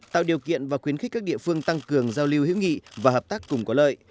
tạo điều kiện và khuyến khích các địa phương tăng cường giao lưu hữu nghị và hợp tác cùng có lợi